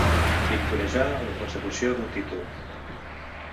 Victorejar la consecució d'un títol.